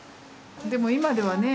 でも今ではね